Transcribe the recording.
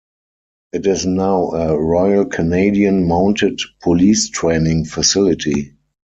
It is now a Royal Canadian Mounted Police training facility.